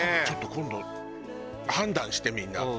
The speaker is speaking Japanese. ちょっと今度判断してみんな。